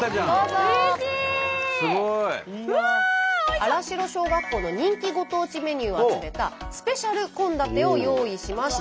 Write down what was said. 新城小学校の人気ご当地メニューを集めたスペシャル献立を用意しました。